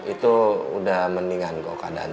ini semua gara gara aku